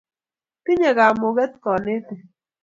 tinye kamuket konetik